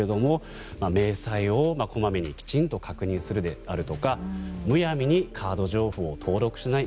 明細をこまめにきちんと確認するであるとかむやみにカード情報を登録しない。